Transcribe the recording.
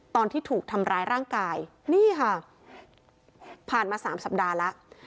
ตอนที่ถูกทำร้ายร่างกายนี่ค่ะผ่านมา๓สัปดาห์แล้ว